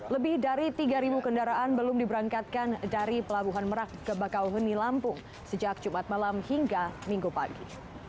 lebih dari tiga kendaraan belum diberangkatkan dari pelabuhan merak ke bakauheni lampung sejak jumat malam hingga minggu pagi